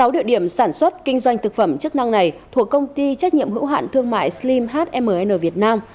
sáu địa điểm sản xuất kinh doanh thực phẩm chức năng này thuộc công ty trách nhiệm hữu hạn thương mại slim hm việt nam